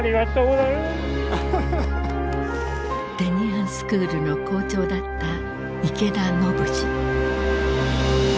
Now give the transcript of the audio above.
テニアンスクールの校長だった池田信治。